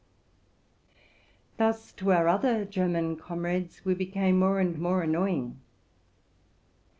Thus, to our other German comrades, we became more and more annoying.